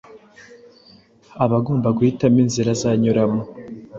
aba agomba guhitamo inzira azanyuramo,